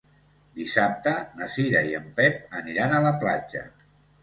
Dissabte na Cira i en Pep aniran a la platja.